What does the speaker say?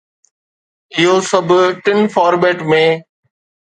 اهو سڀ ٽن فارميٽ ۾